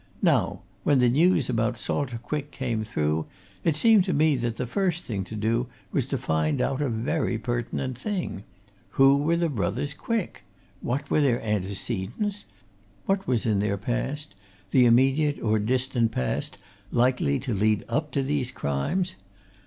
Now, when the news about Salter Quick came through, it seemed to me that the first thing to do was to find out a very pertinent thing who were the brothers Quick? What were their antecedents? What was in their past, the immediate or distant past, likely to lead up to these crimes?